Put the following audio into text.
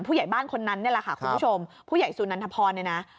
ผู้ใหญ่บ้านคนนั้นนี่แหละค่ะคุณผู้ชมผู้ใหญ่สุนันทพรเนี่ยนะ